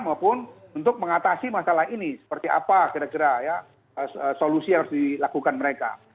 maupun untuk mengatasi masalah ini seperti apa kira kira ya solusi yang harus dilakukan mereka